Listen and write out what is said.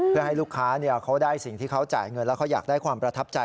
เพื่อให้ลูกค้าเขาได้สิ่งที่เขาจ่ายเงินแล้วเขาอยากได้ความประทับใจ